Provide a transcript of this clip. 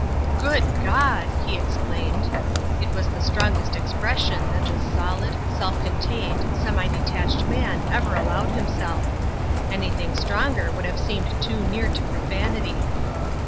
"Good God!" he exclaimed. It was the strongest expression that this solid, self contained, semi detached man ever allowed himself. Anything stronger would have seemed too near to profanity.